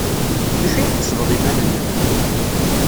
D acu ay tḥesbeḍ iman-nnem?